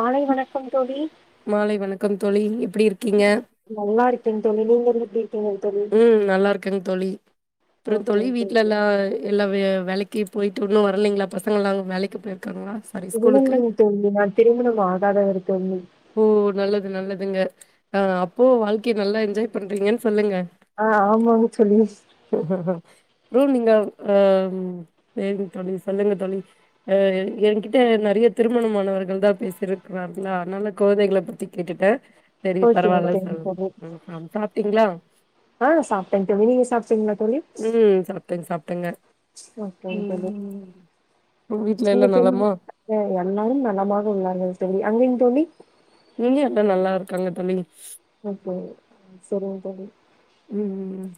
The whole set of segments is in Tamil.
மாலை வணக்கம் தோழி மாலை வணக்கம் தோழி எப்டி இருக்கீங்க நல்லா இருக்கேங் தோழி நீங்களு எப்டி இருக்கீங்க தோழி ம் நல்லாருக்கங் தோழி அப்புறந் ஓகே தோழி வீட்ல ஓகே எல்லா எல்லா வே ஏ வேலைக்கு போய்ட்டு உன்னு வரலிங்ளா பசங்கெல்லா வேலைக்கு போயிரு இல்லல்லிங் தோழி நா திருமணம் ஆகாதவரு தண்ணி ஓ நல்லது நல்லதுங்க ஆ அப்போ வாழ்க்கைய நல்லா என்ஜாய் பண்றிங்கன்னு சொல்லுங்க ஆ ஆமாங்க தோழி ப்றோ நீங்க அ வேண்டு தோழி சொல்லுங்க தோழி அ எங்கிட்ட நெறைய திருமணம் ஆனவர்கள் தா பேசிருக்கிறார்களா அதனால குழந்தைகள பத்தி கேட்டுட்ட ஓகே ஓகேங் தோழி சாப்ட்டீங்களா ஆ சாப்ட்ட தோழி நீங்க சாப்ட்டிங்ளா தோழி ம் சாப்ட்டேங்க சாப்ட்டேங்க ஓகேங் தோழி ம் உங்க வீட்ல எல்லா இன்னைக்கு நலமா என்ன எல்லாரும் நலமாக உள்ளார்கள் தோழி அங்கைங் தோழி இங்கயு எல்லா நல்லா இருக்காங்க தோழி ஓகே சரிங்க தோழி ம்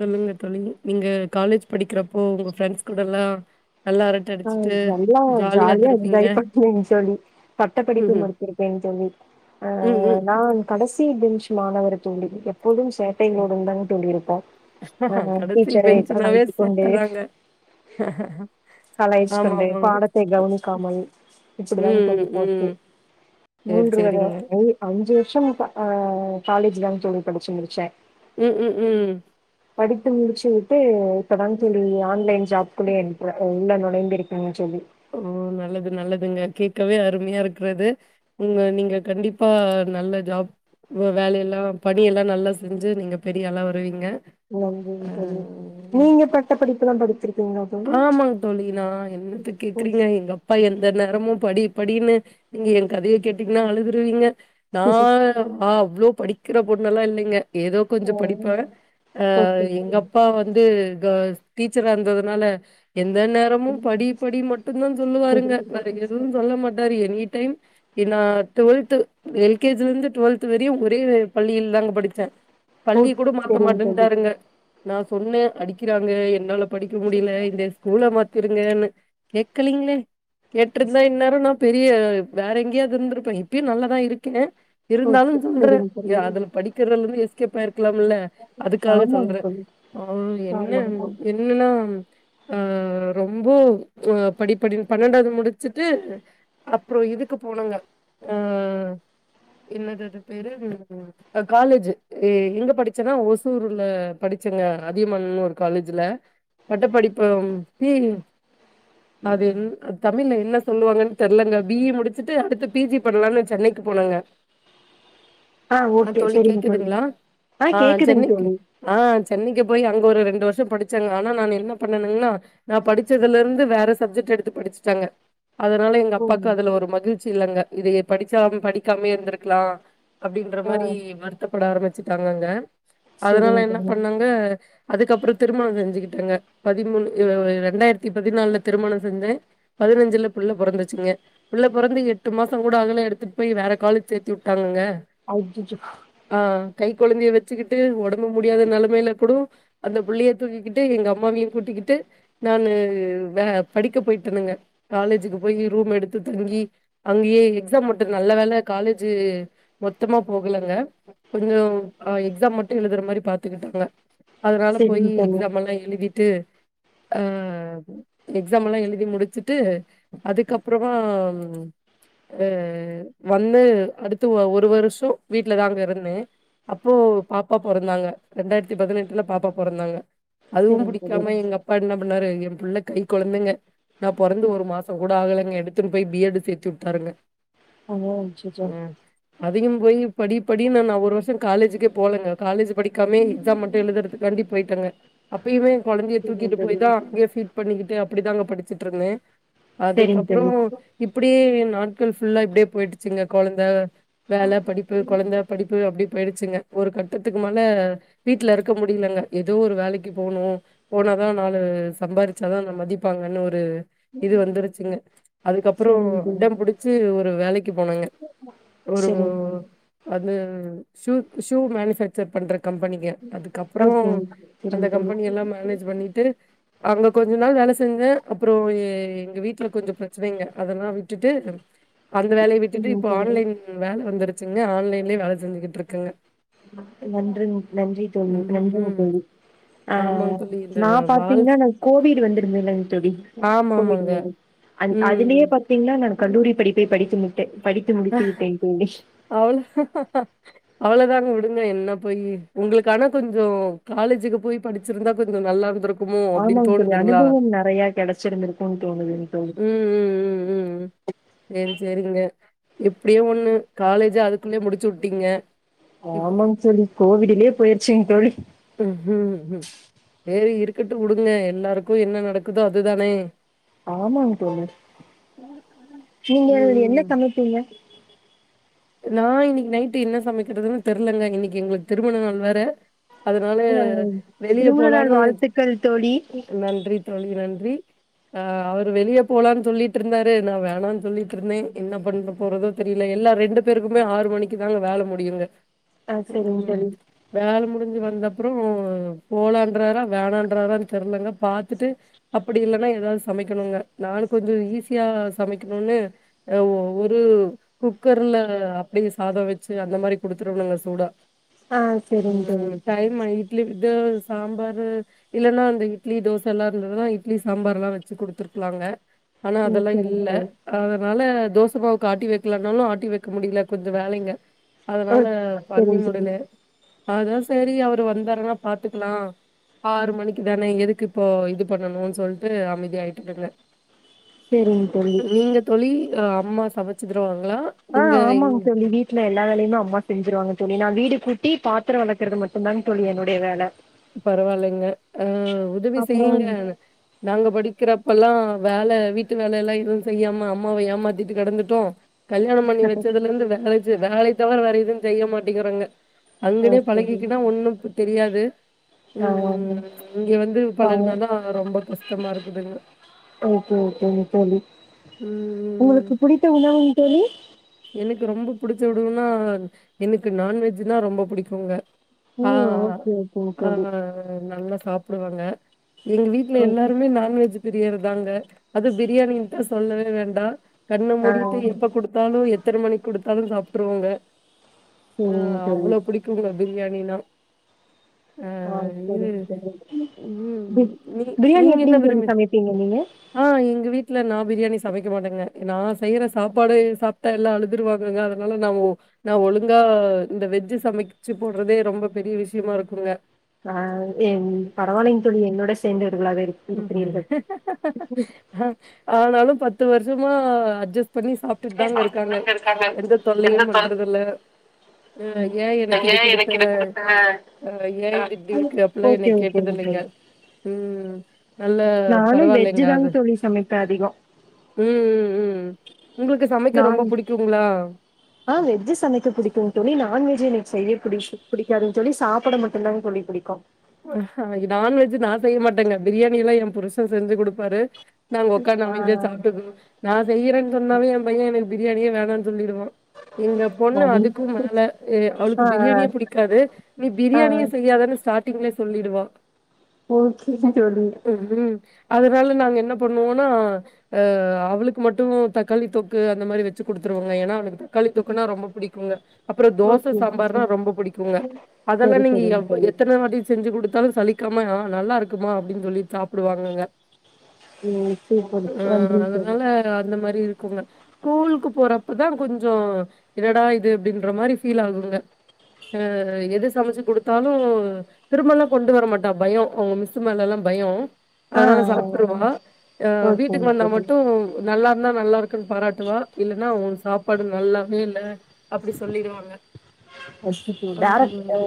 சொல்லுங்க தோழி நீங்க காலேஜ் படிக்கிறப்போ உங்க ஃப்ரெண்ட்ஸ் கூடெல்லா ஆ நல்லா ஜாலியா இருந்திருப்பீங்க என்ஜாய் பண்ணங் தோழி பட்டப்படிப்பு ம்ஹ்ம். முடிச்சிருக்கேங் தோழி அ ம் ம் நான் கடைசி பெஞ்ச் மாணவன் தோழி எப்போதும் சேட்டைகளுடன் தாங் தோழி இருப்போ கடசி பெஞ்சுனாவே கொண்டு சேட்டதாங்கே கலாய்ஸ்த்துண்டு பாடத்தை கவனிக்காமல் இப்பிடிதாங் ம் தோழி போச்சு ம் சேரி மூன்று வரு சேரிங்க ஏ அஞ்சு வர்ஷ முட்ட ஆ காலேஜ் இப்டிதாங் தோழி படிச்சி முடிச்சே ம் ம் ம் து இப்பதாங் தோழி ஆன்லைன் ஜாப் குள்ளே என்ட்ரெ உள்ள நுழைந்திருக்கும் தோழி ஓ நல்லது நல்லதுங்க கேக்கவே அருமையா இருக்கிறது நீங்க நீங்க கண்டிப்பா நல்ல ஜாப் வே வேலையெல்லா பணியெல்லா நல்லா செஞ்சு நீங்க பெரியாளா வருவீங்க நன்றிங்க தோழி நீங்க பட்ட படிப்புல்லா படிச்சிருக்கீங்களா தோழி ஆமாங் தோழி நா என்னத்து கேக்குறீங்க எங்க அப்பா எந்த நேரமு படி படின்னு நீங்க என் கதைய கேட்டீங்கன்னா அழுதுருவீங்க நா ம் வா இவ்ளோ படிக்கிற பொண்ணெல்லா இல்லங்க ஏதோ கொஞ்ச ஆ படிப்பேன் அ ஓகேங்க எங்க தோழி அப்பா வந்து ஆ டீச்சரா இருந்தது அதனால எந்த நேரமும் படி படி மட்டுந்தா ஓகே சொல்லுவாருங்க வேற எதுவு சொல்ல மாட் டாரு any time twelfth L K G ல இருந்து டுவல்த் வரையும் ஒரே பள்ளியில் தா அங்க படிச்சே பள்ளிய கூட மாத்த சரிங்க தோழி மாட்டன்ட்டாருங்க. நான் சொன்னேன் அடிக்கறாங்க என்னால இரு முடில இந்த ஸ்கூல மாத் திருங்கன்னு கேக்கலீங்களே கேட்ருந்தா இன்நேர நா பெரிய வேற எங்கேயாது இருந்திருப்பேன் இப்பயு நல்லதா இருக்கே இருந்தாலு ஓகே சொல்றே சரிங்க தோழி அதுல படிக்கிறதுல இருந்து கேப்பார் இருக்லாம்ல அதுக்காக ஆமாங்க சொல்றே தோழி அவ என்ன ஆமாங்க தோழி என்னன்னா அ ரொம்ப அ படிப்படின் பன்னெண்டாவது முடிச்சுட்டு அப்ற இதுக்கு போனங்க அ என்னது அது பேரு காலேஜ் எங்க படிச்சன்னா ஓசூர்ல படிச்சங்க அதியமன்னன்னு ஒரு காலேஜ்ல பட்ட படிப்பம் பி அது இந் அதா தமிழ்ல என்ன சொல்லுவாங்கன்னு தெரியலங்க பி இ முடிச்சுட்டு அடுத்து பி ஜி பண்லான்னு சென்னைக்கு போனேங்க ஆ ஓகே தோழி சரிங்க தோழி கேக்குதுங்களா ஆ கேக்குதுங்க சென்னைக்கு தோழி ஆ சென்னைக்கு போய் அங்க ஒரு ரெண்டு வருஷோ த்து படிச்சேங்க ஆனா நா என்ன பண்ணன்னா நா படிச்சதுல இருந்து வேற சப்ஜெக்ட் எடுத்து படிச்சிட்டேங்க அதனால எங்க அப்பாக்கு ம் அதுல ஒரு மகிழ் ச்ச இல்லங்க இது படிச்சா படிக்காமே இருந்திருக்கலா அப்டின்ற ஆ மாரி வருத்தப்பட ஆரம்பிச்சு வச்சுட்டாங்கங்க அதனால சரிங்க என்ன தோழி பண்ணாங்க அதுக்கப்றோ திருமணோ செஞ்சுக்கிட் பதிமூணு ரெண்டாயிரத்தி த்தி பதினாலுல திருமணம் செஞ்சே பதினஞ்சுல புள்ள பிறந்துச்சுங்க பிள்ள பிறந்து எட்டு மாசம் கூட ஆகல எடுத்துட்டு போய் வேற காலஜ சேத்து விட்டாங்கங்க ஆஜ் ஜ ஜொ கொழந்தையை வச்சுக்கிட்டு உடம்பு முடியாத நிலமையில கூடோ அந்த புள்ளையை தூக்கிக்கிட்டு ட்டு எங்க அம்மாவையு கூட்டிக்கிட்டு நானு வே படிக்க போயிட்டனுங்க காலேஜுக்கு போயி ரூம் எடுத்து தங்கி அங்கயே எக்ஸாம் மட்டுந்தா நல்ல வேல காலேஜு மொத்தமா போகலங்க கொஞ்ச அஹ் எக்ஸாம் மட்டு எழுதுற மாரி பாத்துக்கிட்டங்க அதனால சரிங்க போயி தோழி எக்ஸாமெல்லா எழுதிட்டு அஹ் எக்ஸாமெல்லா எழுதி முடிச்சுட்டு அதுக்கப்றமாம் அஹ் வந்து அடுத்து ஒரு வருஷ வீட்லதாங்க இருந்தே அப்போ பாப்பா பொறந்தாங்க ரெண்டாயிரத்தி பதினெட்டுல பாப்பா பொறந்தாங்க அதுவு சரிங்க தோழி புடிக்காம எங்க அப்பா என்ன பண்ணாரு எங் எ புள்ள கை கொழந்தைங்க நா பொறந்து ஒரு மாசங்கூட ஆகலங்க எடுத் எட்த்துன் போய் பி எ பிஸ் சேத்தி உட்டாருங்க ஆஹ் அச்சச்சோ அதிகம் போயி படி படினு நா ஒரு வருஷ காலேஜுக்கே போலங்க காலேஜு படிக்காமே எக்ஸாம் மட்டு எழுதற்து நம்பி போய்ட்டங்க அப்பயுமே கொழந்தய சரிங்க தூக்கிட்டு தோழி போய் தா அங்கே ஃபீட் பண்ணிக்கிட்டு அப் அப்டிதாங்க படிச்சுட்ருந்தே சரிங்க அதுக்கப்றோ தோழி இப்டியே நா நாள் கள் ஃபுல்லா இப்டே போயிடுச்சுங்க கொழந்த வேல படிப்பு கொழந்த படிப்பு அப்டே போயிடுச்சுங்க ஒரு கட்டத்துக்கு மேல வீட்ல இருக்க முடியலங்க எதோ ஒரு வேலைக் கு போனு ஒரு ஒர்வானாலு சம்பாரிச்சாதா என்ன மதிப்பாங்கன்னு ஒரு இது வந்துருச்சுங்க அதுக்கப்றோ சரிங்க தோழி அடம் புடிச்சு ஒரு வேலைக்கு போனேங்க ஒரு ஓ சரிங்க தோழி வந்து உம் ஷூக் ஷூ மேனுஃபேக்சர் பண்றக் கம்பெனிங்க அதுக்கப்றோ ஓகேங்க அந்த சரிங்க தோழி கம்பெனியெல்லா மேனேஜ் பண்ணிட்டு அங்க கொஞ்ச நாள் வேல செஞ்சே அப்றோ எ எங்க வீட்ல கொஞ்ச பிரச்சனைங்க அதெல்லா விட்டுட்டு அந்த வேலைய விட்டுட்டு சரிங்க இப்ப தோழி ஆன்லைன் வேல வந்துருக் குங்க ஆன்லைன்லே வேல செஞ்சுக்கிட்ருக்கங்க நன்றி நன்றி தோழி ம் நன்றிங்க ம் தோழி ஆமாங்க அஹ் தோழி இந்த நா பாத்தீங்னா வாழ்க் இந்த கோவிட் வந்துருந்ததுலங் தோழி ஆமா ஆமாங்க கோவிட்னு ஒன்னு அந் அதுலே ம் பாத்தீங்னா நானு கல்லூரி படிப்பை படித்து முடித் அஹ் அவ்ள அவ்ளோதாங்க விடுங்க என்ன போயி உங்களுக்கு ஆனா கொஞ்சோ காலேஜுக்கு போயி படிச்சிருந்தா கொஞ்ச நல்லா இருந்திருக் ஆமாங்க தோழி அனுபவம் நறைய கெடைச்சிருந்திருக்கும் தோ ம் ம் ம் ம் சேரி சேரிங்க எப்டியோ ஒண்ணு காலேஜ் அதுக்குள்ளயே முடிச்சு உட்டீங்க ஆமா தோழி கோவிடிலியே போயிருச்சுங்க தோழி ம் ஹம் ஹம் செரி இருக்கட்டும் உடுங்க எல்லாருக்கு என்ன நடக்குதோ அதுதானே ஆமாங்க தோழி நீங்க என்ன ம் சமைப்பீங்க நா இன்னைக்கு நைட்டு என்ன சமைக்கிறதுன்னு தெரியலங்க இன்னைக்கு எங்களுக்கு திருமண நாள் வேற அதனால ஆ வெளியே திருமண நாள் போலான்னு வாழ்த்துக்கள் தோழி நன்றி தோழி நன் றி அவரு வெளியே போலான் சொல்லிட்ருந்தாரு நா வேணான் சொல்ட்டுருந்தே என்ன பண்ண போறதோ தெரியல எல்லா ரெண்டு பேருக்குமே ஆறு மணிக்கு தாங்க வேல முடியுங்க ஆ செரிங்க உம் தோழி வேல முடிஞ்சு வந்த ப்புறோ போலான்றாரா வேணான்றாரான்னு தெரிலங்க பாத்துட்டு அப்டி இல்லன்னா ஏதாவது சமைக்கணுங்க நானு கொஞ்சோ ஈஸியா சமைக்கணுன்னு ஒரு குக்கர்ல அ அப்டியே சாதம் வெச்சு அந்த மாரி குடுத்துருனுங்க சூடா ஆ செரிங்க உம் தோழி டைம்மாயிட் இட்லிக்கு இது சாம்பார் இல்லேன்னா அந்த இட்லி தோசெல்லா இருந்ததுன்னா இட்லி சாம்பார் எல்லாம் வெச்சு குடுத்துருக்கலாங்க ஆனா ம் அதெல்லா செரிங்க இல்ல தோழி அதனால தோச மாவுக்கு ஆட்டி வெக்கலனாலு ஆட்டி வெக் இருக்க முடியல கொஞ்சே வேலைங்க ஆ அதனால பண்ணி செரிங்க தோழி முடியல அதா சேரி அவரு வந்தருனா பாத்துக்கலா ஆறு மணிக்கு தானே எதுக்கு இப்போ இது பண்ணணு சொல்ட்டு அமைதி ஆயிட்டுக்கங்க செரிங்க தோழி நீங்க தோழி அ அம்மா சமைச்சி தருவாங்களா ஆஹ் ஆமாங்க தோழி வீட்டுல எல்லா வேலையுமே அம்மா செஞ்சுருவாங்க தோழி நா வீடு கூட்டி பாத்துரோ வெளக்கறது மட்டுதாங் தோழி என்னுடைய வேல பரவாயில்லைங்க அஹ் உதவி அப்புறோ செய்யுங்க நாங்க படிக்கிறப்பல்லா வேல வீட்டு வேலல்லா எதுவு செய்யாம அம்மாவை ஏமாத்திட்டு கடந்துட்டோ கல்யாணோ பண்ணி வச்சதுலருந்து வேல செய் வேல தவுர வேற எதுவு செய்ய மாட்டேங்கிறோங்க அங்கனே பழகிக்கனா ஒண்ணு புத் தெரியாது ஆஹ் ம் இங்க வந்து அ பழகுனாதா ரொம்ப கஷ்டமா இருக்குதுங்க ஓகே ஓகேங்க தோழி ம் உங்களுக்கு புடித்த உணவுங்க தோழி எனக்கு ரொம்ப புடிச்ச உணவுனா எனக்கு நான்வெஜ்ன்னா ரொம்ப புடிக்குங்க ம் ஆஹ் ஓகே ஓகேங்க தோழி ஆஹ் நல்ல சாப்புடுவாங்க எங்க வீட்ல ஓகே எல்லாருமே நான்வெஜ் பிரியர் தாங்க அது பிரியாணியின்டா சொல்லவே வேண்டாம் கண்ணு ஆ மூடிட்டு எப்ப கொடுத்தாலும் கொடுத்தாலும் சாப்பிட்ருவாங்க சேரிங்க ஆஹ் தோழி அவ்வளோ புடிக்குங்க பிரியாணினா ஆ ஆஹ் இது சரிங்க சரிங்க ம் நீ பிபிரியாணி நீங்க என்ன எப்படின்னு தோழி சமைப்பீங்க நீங்க இல்ல நான் பிரியாணி சமைக்க மாட்டேங்க நான் செய்யற சாப்பாடு சா ட்டா எல்லாம் அழுதுருவாங்கங்க அதனால நான் நான் ஒழுங்கா இந்த வெஜ்ஜு சமைச்சு போடுறதே ரொம்ப பெரிய விஷயமா இருக்குங்க அஹ் என் பரவலின் தோழி என்னோட சென்று உம் ம்ஆனாலும் பத்து வருஷம் சுத்தமா அட்ஜஸ் பண்ணி சாப்பிட்டுட்டு தாங்க இருக்காங்க எந்த தொல்லையும் பண்றதுல்ல அஹ் ஏன் எனக்கு இது எனக்கு குடுத்தஹ் இத குடுத்த ஏன் ஆ இது இப்படி இருக்கு அப்படிலாம் என்னை ஓகே கேட்டத இல்லைங்க உம் நானும் வெஜ்ஜு தாங்க தோழி சமைப்பேன் அதிகம் உம் உம் உம் நான் ஆஹ் வெஜ்ஜூ சமைக்க பிடிக்கும் தோழி நான் வெஜ்ஜு என செய்ய பிடிச்சு ப புடிக்காதுன்னு சொல்லி சாப்பிட மட்டும்தான் தோழி பிடிக்கும் ஹ் நான்வெஜ் நான் செய்ய மாட்டேங்க பிரியாணி எல்லாம் என் புருஷன் செஞ்சு கொடுப்பாரு நாங்க உட்காந்து ஆ அமைதியா சாப்பிட்டுக்கூவோம் நான் செய்யறேன்னு சொன்னாவே என் பையன் எனக்கு பிரியாணியே வேனா சொல்லிடுவோம் எங்க பொண்ணு சரி அதுக்கும் மேல அவளுக்கு ஆ பிரியாணியே ஆ பிடிக்காது நீ ஆ பிரியாணியே செய்யாது ஸ்டார்ட் ங்கள சொல்லிடுவோம் ஓகேங்க தோழி ம் அதனால நாங்க என்ன பண்ணுவோம்னா அஹ் அவளுக்கு மட்டும் தக்காளி தொக்கு அந்த மாதிரி வச்சு குடுத்துருவோங்க ஏன்னா அவக்கு தக்காளி தொக்குன்னா ரொம்ப பிடிக்குங்க அப்புறம் தோசை ஓகே சாம்பார்னா ரொம்ப பிடிக்குங்க அதெல்லாம் சரி நீங்க சரிங் தோழி எத்தனை வாடி செஞ்சு குடுத்தாலும் சலிக்காம ஆஹ் நல்லா இருக்குமா அப்படின்னு சொல்லி சாப்பிடுவாங்கங்க ம் ஓகே தோழி ஒன் மினிட் தோழி அதனால அந்த மாரி இருக்குங்க ஸ்கூலுக்கு போறப்பதான் கொஞ்சம் என்னடா இது அப்படின்ற மாரி ஃபீல் ஆகுங்க அஹ் எது சமைச்சு கொடுத்தாலும் திருமல்லாம் கொண்டு வர மாட்டா பயம் அவங்க மிஸ் மேல எல்லாம் பயம் ஆ அதனால சாப்டுருவா அஹ் ஓகேங்க வீட்டுக்கு வந்தா தோழி மட்டும் நல்லா ந்தான் நல்லா இருக்குன்னு பாராட்டுவா இல்லன்னா உன் சாப்பாடு நல்லாவே இல்ல அப்படி சொல்லிடுவாங்க அச்சச்சோ வேற அம்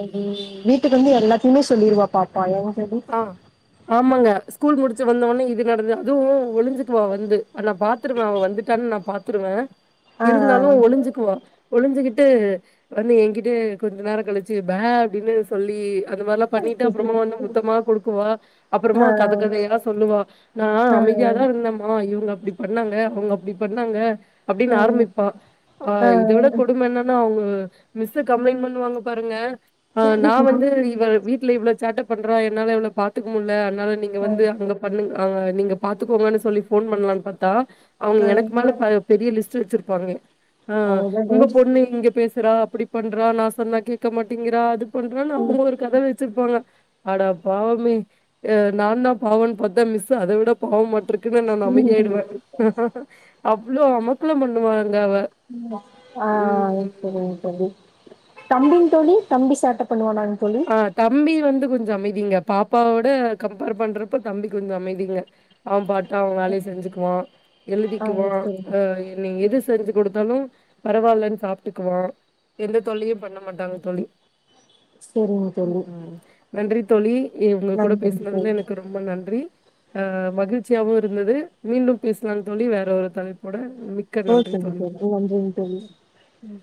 வீட்டுக்குவந்து எல்லா த்துமே சொல்லிடுவா பா ப்பா ஏன் தோழி ஆ ஆமாங்க ஸ்கூல் முடிச்சு வந்த ஒனே இது நடந்து அதுவு ஒளிஞ்சுக்குவா வந்து நா பாத்துருவ அவ வந்துட்டான் நா பாத்துருவ ஆ இருந்தாலு ஒளிஞ்சுக்குவா ஒளிஞ்சுகிட்டு வந்து ஏங்கிட்ட கொஞ்ச நேர கழிச்சு பே அப்டின்னு சொல்லி அந்தமாரிலா பண்ணிட்டு அப்பறமா வந்து சுத்தமா கொடுக்குவா அப்பறமா ஆ கத கதையா சொல்லுவா நா ஆ அமைதியாதா இருந்தம்மா இவ்ங்க அப்டி பண்ணாங்க அவ்ங்க அப்டி பண்ணாங்க அப்டின்னு ஆ ஆ ஆரம்பிப்பா, ஆ, இத விட கொடும என்னன்னா அவங்க மிஸ் கம்ப்ளைன்ட் பண்ணுவாங்க பாருங்க ஆ, நா வந்து இவ வீட்ல இவள சேட்ட பண்றா என்னால இவள பாத்துக்க முடில அதனால நீங்க ஆ வந்து அங்க பண்ணுங் ஆ நீங்க பாத்துக்கோங்கனு சொல்லி ஃபோன் பண்லான்னு பாத்தா அவங்க ஆ எனக்கு மேல ப பெரிய லிஸ் ஸ்டு வச்சிருப்பாங்க ஆ, அவ்ளோதா உங்க தோழி பொண்ணு இங்க பேசு ங்கிறா அப்டி பண்றா, நா சொன்னா கேட்க மாட்டிங்கிறா, அது பண்றானு அவங்க ம் ஒரு கத வச் சிருப்பாங்க ஆட பாவமே அ நான்தா பாவோனு பாத்தா மிஸ் அதவிட பாவமாட்ருக் குனு நானு ம். அமைதியாயிடுவே அவ்ளோ அமக்களம் பண்ணுவா ஆ செரிங்க தோழி தம்பிங் தோழி தம்பி சேட்ட பண்ணுவானாங் தோழி ஆ தம்பி வந்து கொஞ்ச அமை திங்க பாப்பாவோட கம்பேர் பண்றப்ப தம்பி கொஞ்ச அமைதிங்க அவ பாட்டு அவ வேலய செஞ்சுக்குவா ஆ எழுதிக்குவா செரிங்க ஆ நீங்க எது செஞ்சு குடுத்தாலு பரவால்லன் சாப்ட்டுக்குவா எந்த தொல்லையு பண்ண மாட்டாங்க தோழி செரிங்க தோழி ம் நன்றி தோழி இவங்க கூட நன்றிங்க பேசுனதுல தோழி எனக்கு ரொம்ப நன்றி அ மகிழ்ச்சியாவு இருந்துது மீண்டும் பேசலாம் தோழி வேற ஒரு தலைப்போட மிக்க ஓகேங்க செரிங் நன்றிங் தோழி ம்